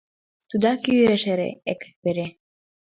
Тудат йӱэш эре, Эк, эпере!